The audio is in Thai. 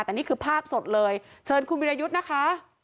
แต่นี่คือภาพสดเลยเชิญคุณวิรยุทธ์นะคะ